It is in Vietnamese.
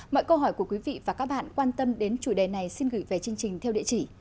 mọi câu hỏi của quý vị và các bạn quan tâm đến chủ đề này xin gửi về chương trình theo địa chỉ